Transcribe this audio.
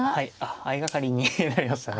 相掛かりになりましたね。